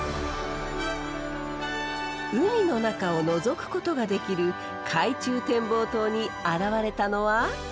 海の中をのぞくことができる海中展望塔に現れたのは。